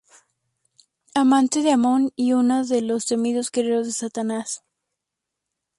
Amante de Amon y una de los temidos guerreros de Satanás.